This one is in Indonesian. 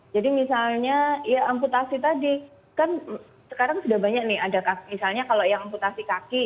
jadi misalnya ya amputasi tadi kan sekarang sudah banyak nih ada misalnya kalau yang amputasi kaki